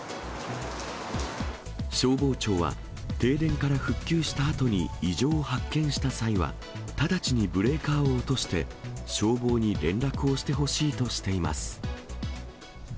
消防庁は、停電から復旧したあとに異常を発見した際は、直ちにブレーカーを落として、消防に連絡をしてほしいとしています。